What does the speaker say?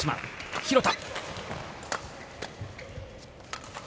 廣田。